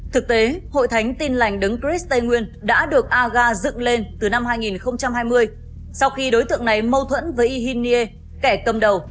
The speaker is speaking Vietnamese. thực tế hội thánh tin lành đấng chris tây nguyên đã được aga dựng lên từ năm hai nghìn hai mươi sau khi đối tượng này mâu thuẫn với ihinie kẻ cầm đầu